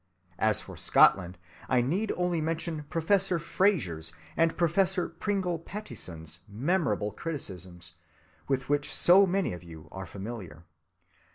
As for Scotland, I need only mention Professor Fraser's and Professor Pringle‐Pattison's memorable criticisms, with which so many of you are familiar.